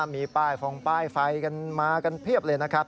มีป้ายฟงป้ายไฟกันมากันเพียบเลยนะครับ